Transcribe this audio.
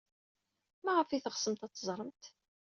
Maɣef ay teɣsemt ad teẓremt?